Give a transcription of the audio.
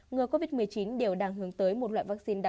ngừa covid một mươi chín đều đang hướng tới một loại vaccine đặc